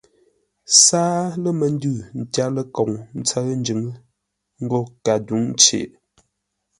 Sâa lə məndʉ tyár ləkoŋ ńtsə́ʉ njʉŋə́ ńgó kadǔŋcei.